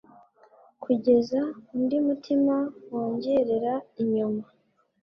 kugeza undi mutima wongorera inyuma.